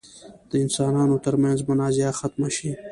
د انسانانو تر منځ منازعه ختمه شي.